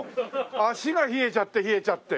足が冷えちゃって冷えちゃって。